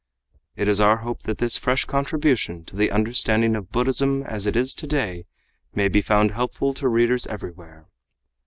It is our hope that this fresh contribution to the understanding of Buddhism as it is today may be found helpful to readers everywhere.